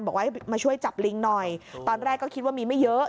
บอกว่าให้มาช่วยจับลิงหน่อยตอนแรกก็คิดว่ามีไม่เยอะ